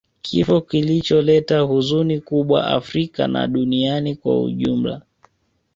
kifo kilicholeta huzuni kubwa Afrika na duniani kwa ujumla